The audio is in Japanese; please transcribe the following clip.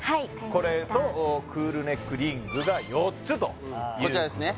これとクールネックリングが４つということでこちらですね